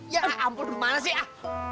ya ampun gimana sih ah